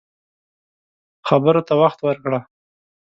خبرو ته وخت ورکړه